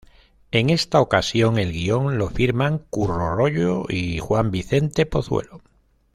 En esta ocasión el guion lo firman Curro Royo y Juan Vicente Pozuelo.